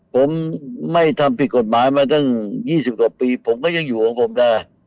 ผมไม่ทำผิดกฎหมายมาตั้ง๒๐กว่าปีผมก็ยังอยู่ของผมนะ